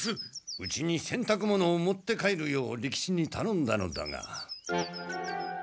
うちにせんたく物を持って帰るよう利吉にたのんだのだが。